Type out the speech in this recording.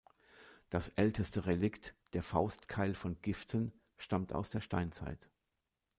Das älteste Relikt, der Faustkeil von Giften, stammt aus der Steinzeit.